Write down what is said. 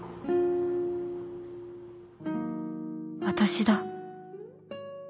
私だ